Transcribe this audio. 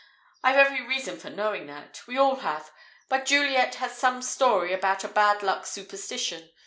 I've every reason for knowing that. We all have. But Juliet had some story about a 'bad luck' superstition.